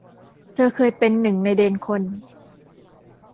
เธอเคยเป็นหนึ่งในเดนคน